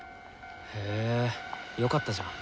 へぇよかったじゃん。